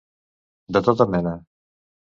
De tota mena.